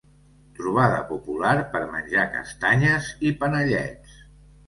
Trobada popular per menjar castanyes i panellets.